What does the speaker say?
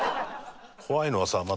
怖いのはさまた。